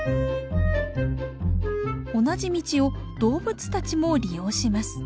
同じ道を動物たちも利用します。